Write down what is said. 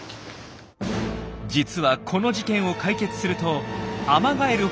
実はこの事件を解決するとアマガエル